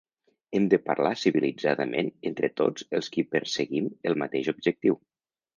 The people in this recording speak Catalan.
Hem de parlar civilitzadament entre tots els qui perseguim el mateix objectiu.